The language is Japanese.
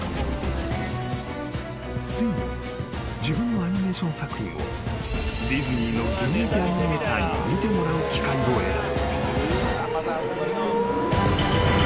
［ついに自分のアニメーション作品をディズニーの現役アニメーターに見てもらう機会を得た］